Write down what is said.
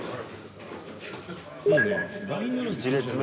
１列目。